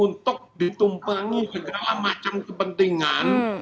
untuk ditumpangi segala macam kepentingan